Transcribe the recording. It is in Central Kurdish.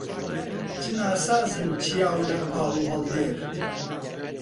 چ ناسازن چیا و لاپاڵ و هەڵدێر